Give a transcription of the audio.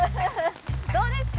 どうですか？